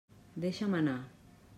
Deixa'm anar!